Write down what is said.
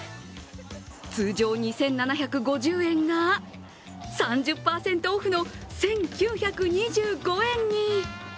通常２７５０円が、３０％オフの１９２５円に。